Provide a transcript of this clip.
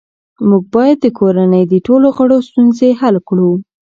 موږ باید د کورنۍ د ټولو غړو ستونزې حل کړو